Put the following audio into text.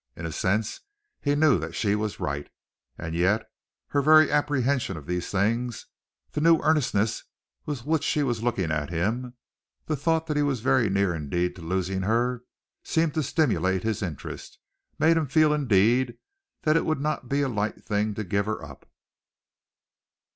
In a sense he knew that she was right. And yet, her very apprehension of these things, the new earnestness with which she was looking at him, the thought that he was very near indeed to losing her, seemed to stimulate his interest, made him feel, indeed, that it would not be a light thing to give her up.